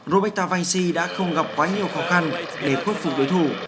roberta vansi đã không gặp quá nhiều khó khăn để khuất phục đối thủ